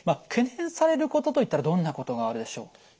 懸念されることといったらどんなことがあるでしょう？